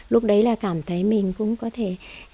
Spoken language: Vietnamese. lúc đấy là cảm thấy mình cũng có thể